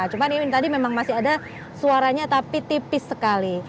cuman ini tadi memang masih ada suaranya tapi tipis sekali